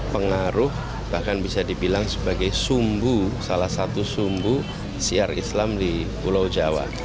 pengaruh bahkan bisa dibilang sebagai sumbu salah satu sumbu siar islam di pulau jawa